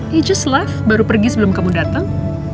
dia baru pergi sebelum kamu datang